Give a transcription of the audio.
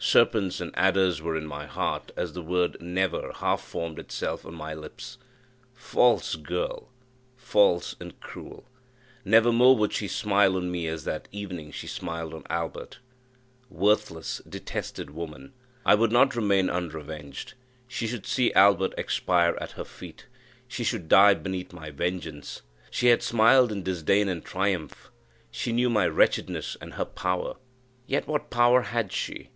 Serpents and adders were in my heart as the word "Never!" half formed itself on my lips. False girl! false and cruel! Never more would she smile on me as that evening she smiled on Albert. Worthless, detested woman! I would not remain unrevenged she should see Albert expire at her feet she should die beneath my vengeance. She had smiled in disdain and triumph she knew my wretchedness and her power. Yet what power had she?